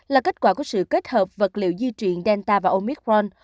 là kết quả của sự kết hợp vật liệu di truyền delta và omicron